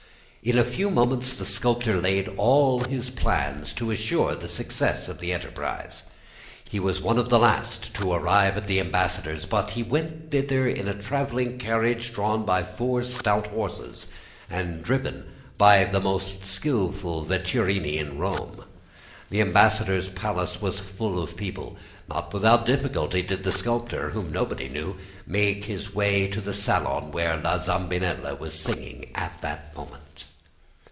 "In a few moments the sculptor laid all his plans to assure the success of his enterprise. He was one of the last to arrive at the ambassador's, but he went thither in a traveling carriage drawn by four stout horses and driven by one of the most skilful vetturini in Rome. The ambassador's palace was full of people; not without difficulty did the sculptor, whom nobody knew, make his way to the salon where La Zambinella was singing at that moment.